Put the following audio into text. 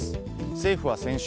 政府は先週